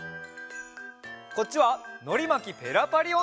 こっちは「のりまきペラパリおんど」のえ！